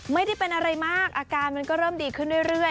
ไม่ได้เป็นอะไรมากอาการมันก็เริ่มดีขึ้นเรื่อย